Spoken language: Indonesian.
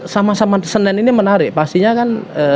sama sama senin ini menarik pastinya kan